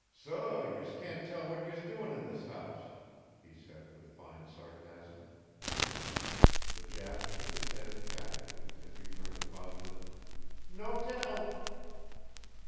"So yez can't tell what yez're doin' in this house," he said with fine sarcasm. The Jap shook his head emphatically and returned a positive, "No tell!"